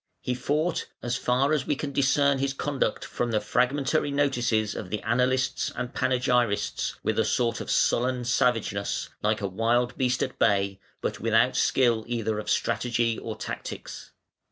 He fought (as far as we can discern his conduct from the fragmentary notices of the annalists and panegyrists) with a sort of sullen savageness, like a wild beast at bay, but without skill either of strategy or tactics.